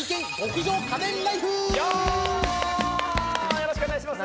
よろしくお願いします。